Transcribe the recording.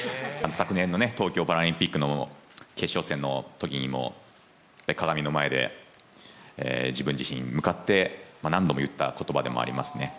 昨年の東京パラリンピックの決勝戦のときにも鏡の前で、自分自身に向かって何度も言ったことばでもありますね。